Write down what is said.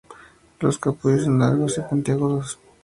Los capullos son largos y puntiagudos.